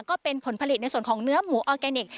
ก็เป็นผลผลิตในส่วนของเนื้อหมูออร์แกนิค